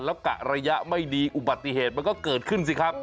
แล้วกะระยะไม่ดีอุบัติเหตุมันก็เกิดขึ้นสิครับ